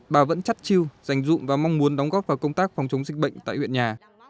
bà vẫn chắc chiêu dành dụng và mong muốn đóng góp vào công tác phòng chống dịch bệnh tại huyện nhà